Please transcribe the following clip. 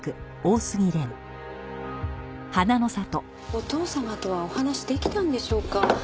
お父様とはお話し出来たんでしょうか？